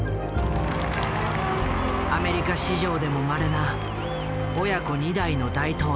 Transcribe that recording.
アメリカ史上でもまれな親子２代の大統領。